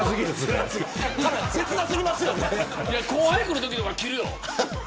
後輩来るときは電源を切るよ。